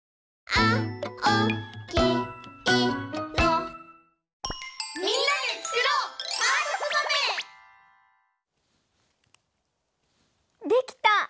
「あおきいろ」できた！